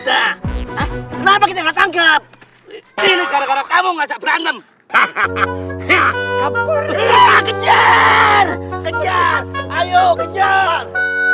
itu target kita kenapa kita nggak tangkap ini karena kamu nggak berantem hahaha kejar kejar